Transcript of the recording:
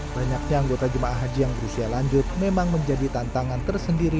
banyaknya anggota jemaah haji yang berusia lanjut memang menjadi tantangan tersendiri